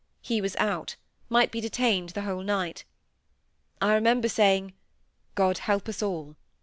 He was out, might be detained the whole night. I remember saying, "God help us all!"